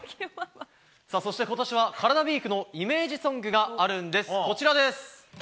そして今年はカラダＷＥＥＫのイメージソングがあるんです。